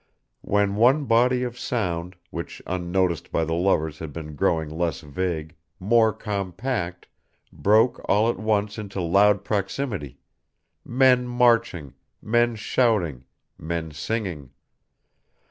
When one body of sound, which unnoticed by the lovers had been growing less vague, more compact, broke all at once into loud proximity men marching, men shouting, men singing.